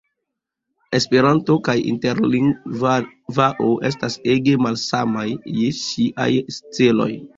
Esperanto kaj interlingvao estas ege malsamaj je siaj celoj.